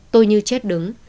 tôi như chết đứng